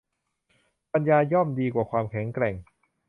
ปัญญาย่อมดีกว่าความแข็งแกร่ง